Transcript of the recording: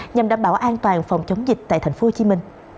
nhằm đảm bảo an toàn phòng chống dịch tại tp hcm